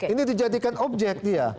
ini dijadikan objek dia